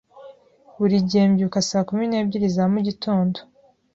Buri gihe mbyuka saa kumi n'ebyiri za mu gitondo.